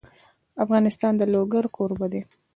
افغانستان د لوگر کوربه دی.